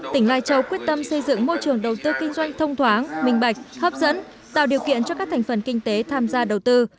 tỉnh lai châu quyết tâm xây dựng môi trường đầu tư kinh doanh thông thoáng minh bạch hấp dẫn tạo điều kiện cho các thành phần kinh tế tham gia đầu tư